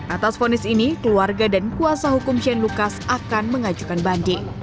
atas fonis ini keluarga dan kuasa hukum shane lucas akan mengajukan banding